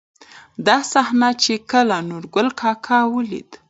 دا صحنه، چې کله نورګل کاکا ولېده.